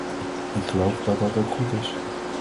Ik geloof dat dat ook goed is.